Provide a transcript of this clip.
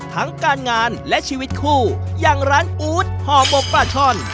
ทั้งการงานและชีวิตคู่อย่างร้านอู๊ดห่อหมกปลาช่อน